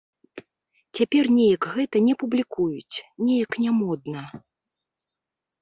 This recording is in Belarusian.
Цяпер неяк гэта не публікуюць, неяк нямодна.